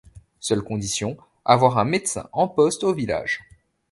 Seule condition: avoir un médecin en poste au village.